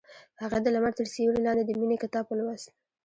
هغې د لمر تر سیوري لاندې د مینې کتاب ولوست.